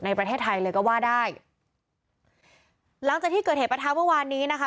ในประเทศไทยเลยก็ว่าได้หลังจากที่เกิดเหตุประทะเมื่อวานนี้นะคะ